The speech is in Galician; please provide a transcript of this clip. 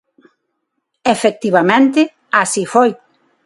Efectivamente, así foi.